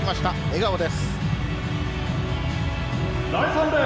笑顔です。